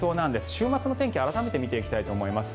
週末の天気を改めて見ていきたいと思います。